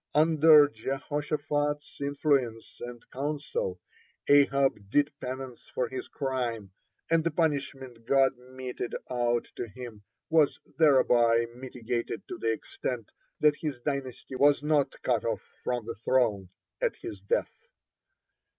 (39) Under Jehoshaphat's influence and counsel, Ahab did penance for his crime, and the punishment God meted out to him was thereby mitigated to the extent that his dynasty was not cut off from the throne at this death.